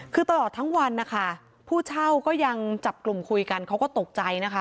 คือตลอดทั้งวันนะคะผู้เช่าก็ยังจับกลุ่มคุยกันเขาก็ตกใจนะคะ